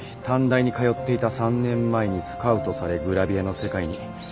短大に通っていた３年前にスカウトされグラビアの世界に。